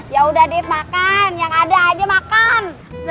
yaudah dik makan yang ada aja makan